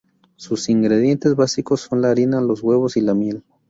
Sus ingredientes básicos son la harina, los huevos y la miel.